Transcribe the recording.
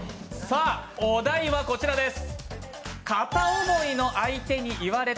お題はこちらです。